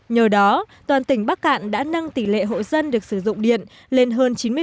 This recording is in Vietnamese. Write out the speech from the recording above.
nhờ đó toàn tỉnh bắc cạn đã nâng tỷ lệ hộ dân được sử dụng điện lên hơn chín mươi